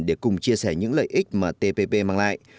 để cùng chia sẻ những lợi ích mà tpp mang lại